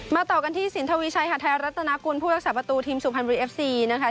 มาต่อกันที่สินทวีชัยค่ะไทยรัฐนาคุณผู้รักษาประตูทีมสุภัณฑ์วิทยาลัยศาสตรี